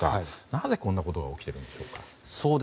なぜ、こんなことが起きているんでしょうか。